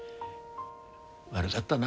悪がったな。